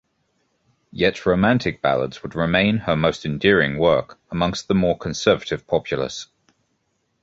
Yet romantic ballads would remain her most endearing work amongst the more conservative populace.